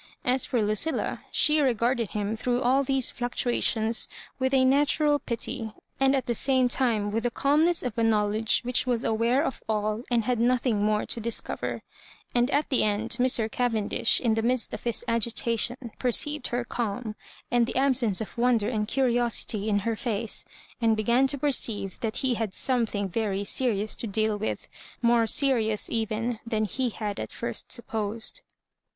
As for Lucilla, she regarded him through all these fluctuations with a natural pity, and at the same time with the calmness of a knowledge which was aware of all and had nothing more to dis cover; and at the end Mr. Cavendish, in the midst of his agitation, perceived her calm, and the absence of wonder and curiosity in her face, and began to perceive that he had something very serious to deal with — ^more serious even than he had at first supposed.